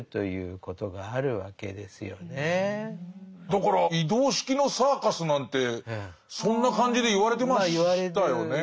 だから移動式のサーカスなんてそんな感じで言われてましたよね。